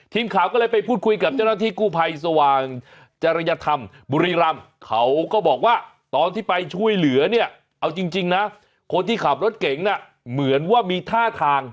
ทีมข่าวก็เลยไปพูดคุยกับเจ้าหน้าที่กู้ภัยสว่างจริยธรรมบุรีรำเขาก็บอกว่าตอนที่ไปช่วยเหลือเนี่ยเอาจริงนะคนที่ขับรถเก่งน่ะเหมือนว่ามีท่าทาง